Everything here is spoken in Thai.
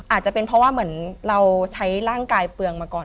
อาจจะเป็นเพราะว่าเหมือนเราใช้ร่างกายเปลืองมาก่อน